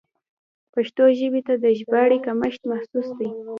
پښتو ژبې ته د ژباړې کمښت محسوس دی.